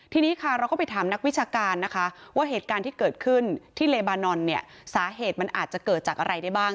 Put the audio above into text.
ทีนี้ค่ะเราก็ไปถามนักวิชาการนะคะว่าเหตุการณ์ที่เกิดขึ้นที่เลบานอนเนี่ยสาเหตุมันอาจจะเกิดจากอะไรได้บ้าง